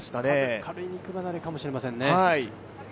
軽い肉離れかもしれませんね。